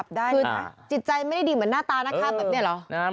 คือจิตใจไม่ได้ดีเหมือนหน้าตานะคะแบบนี้เหรอ